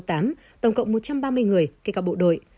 tổng cộng một trăm ba mươi người kể cả bộ đội